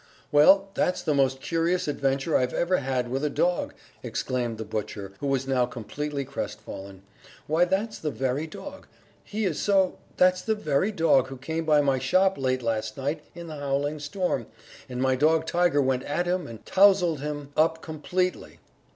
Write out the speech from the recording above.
"Well, that's the most curious adventure I've ever had with a dog!" exclaimed the butcher, who was now completely crestfallen.... "Why, that's the very dog! he is so that's the very dog who came by my shop late last night in the howling storm, and my dog Tiger went at him and towzled him up completely.